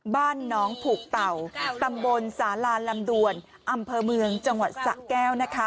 บ้านน้องผูกเต่าตำบลสาลาลำดวนอำเภอเมืองจังหวัดสะแก้วนะคะ